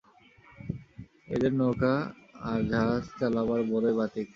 এদের নৌকা আর জাহাজ চালাবার বড়ই বাতিক।